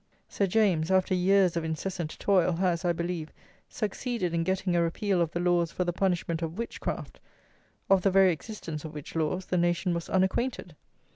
Sir James, after years of incessant toil, has, I believe, succeeded in getting a repeal of the laws for the punishment of "witchcraft," of the very existence of which laws the nation was unacquainted.